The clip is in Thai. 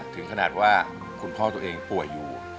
ถึงขนาดว่าคุณพ่อตัวเองป่วยอยู่